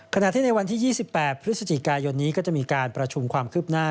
ขณะที่ในวันที่๒๘พฤศจิกายนนี้ก็จะมีการประชุมความคืบหน้า